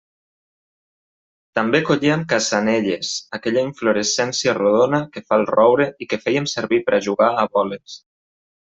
També collíem cassanelles, aquella inflorescència rodona que fa el roure i que fèiem servir per a jugar a boles.